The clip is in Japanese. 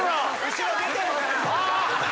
後ろ出てるから。